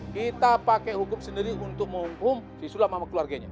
kita pakai hukum sendiri untuk menghukum disulap sama keluarganya